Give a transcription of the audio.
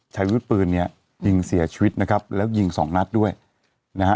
ใช้วุฒิปืนเนี่ยยิงเสียชีวิตนะครับแล้วยิงสองนัดด้วยนะฮะ